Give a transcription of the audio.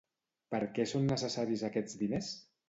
Per què són necessaris aquests diners?